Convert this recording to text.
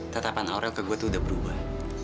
tetapan aurel ke gue tuh udah berubah